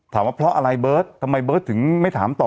ว่าเพราะอะไรเบิร์ตทำไมเบิร์ตถึงไม่ถามต่อ